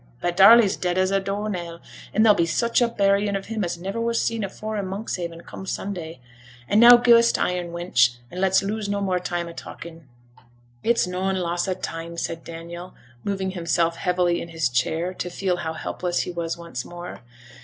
But Darley's dead as a door nail; and there's to be such a burying of him as niver was seen afore i' Monkshaven, come Sunday. And now gi' us t' iron, wench, and let's lose no more time a talking.' 'It's noane loss o' time,' said Daniel, moving himself heavily in his chair, to feel how helpless he was once more.